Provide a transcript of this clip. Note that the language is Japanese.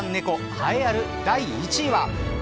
栄えある第１位は。